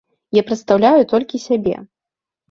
Я прадстаўляю толькі сябе.